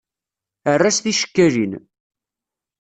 Err-as ticekkalin.